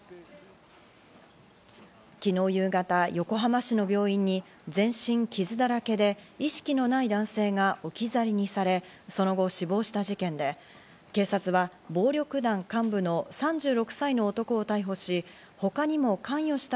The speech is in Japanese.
昨日夕方、横浜市の病院に全身傷だらけで意識のない男性が置き去りにされ、その後死亡した事件で、警察は暴力団幹部の３６歳の男を逮捕しました。